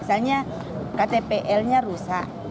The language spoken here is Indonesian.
misalnya ktpl nya rusak